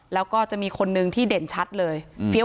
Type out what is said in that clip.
แล้วก็จะมีคนนึงที่เด่นชัดเลย